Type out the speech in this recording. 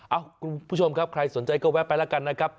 คุณผู้ชมครับใครสนใจก็แวะไปแล้วกันนะครับ